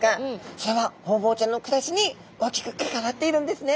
それはホウボウちゃんの暮らしに大きく関わっているんですね。